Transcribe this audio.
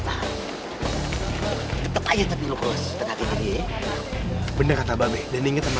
sampai jumpa di video selanjutnya